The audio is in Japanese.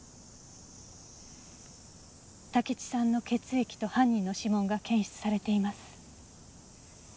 竹地さんの血液と犯人の指紋が検出されています。